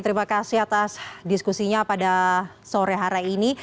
terima kasih atas diskusinya pada sore hari ini